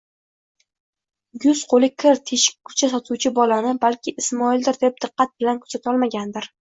yuz-qo'li kir teshikkulcha sotuvchi bolani balki Ismoildir deb diqqat bilan kuzatolmagandir.